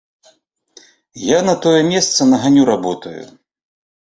Я на тое месца наганю работаю.